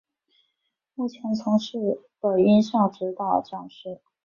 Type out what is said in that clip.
目前从事的音效指导讲师。